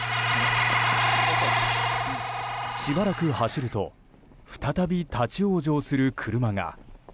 しばらく走ると再び立ち往生する車が。